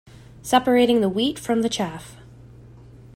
Separating the wheat from the chaff.